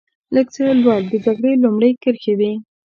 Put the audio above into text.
لږ څه لوړ د جګړې لومړۍ کرښې وې.